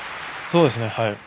そうですね。